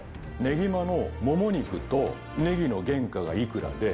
ねぎまのもも肉とネギの原価がいくらで。